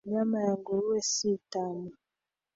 Nyama ya nguruwe si tamu